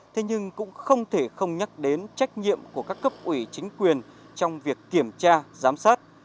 thế nhưng cũng không thể không nhắc đến trách nhiệm của các cấp ủy chính quyền trong việc kiểm tra giám sát